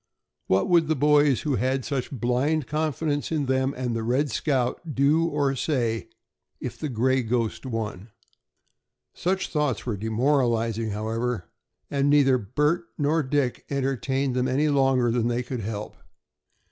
What would the boys who had such blind confidence in them and the "Red Scout" do or say if the "Gray Ghost" won? Such thoughts were demoralizing, however, and neither Bert nor Dick entertained them any longer than they could help.